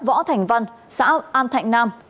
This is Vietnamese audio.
võ thành văn xã an thạnh nam